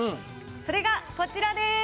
それがこちらです。